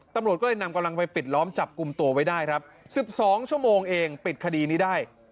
ตำรวจก็เลยนำกำลังไปปิดล้อมจับกลุ่มตัวไว้ได้ครับ๑๒ชั่วโมงเองปิดคดีนี้ได้